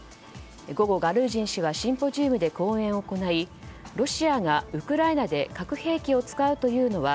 午後、ガルージン氏はシンポジウムで講演を行いロシアが、ウクライナで核兵器を使うというのは